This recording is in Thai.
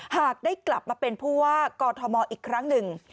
หากได้กลับมาเป็นผู้ว่ากอทมอีกครั้งหนึ่ง